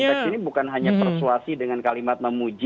konteks ini bukan hanya persuasi dengan kalimat memuji